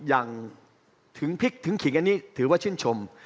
อย่างถึงพริกถึงขิงอันนี้ถือว่าชื่นชม